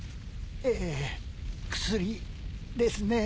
ええ薬ですね。